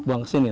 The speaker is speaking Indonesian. buang ke sini